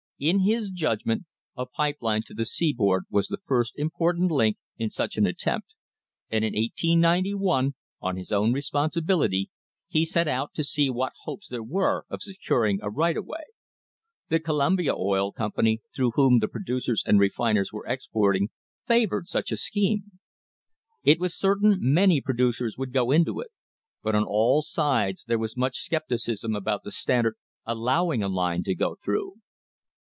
In his judgment a pipe line to the seaboard was the first important link in such an attempt, and in 1891, on his own responsibility, he set out to see what hopes there were of securing a right of way. The Columbia Oil Company, through whom the Producers and Refiners THE HISTORY OF THE STANDARD OIL COMPANY were exporting, favoured such a scheme. It was certain many producers would go into it; but on all sides there was much scepticism about the Standard allowing a line to go through.